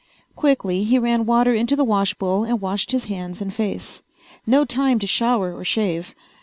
Quickly, he ran water into the washbowl and washed his hands and face. No time to shower or shave.